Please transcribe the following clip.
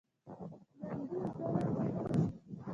ژوندي ظلم نه غواړي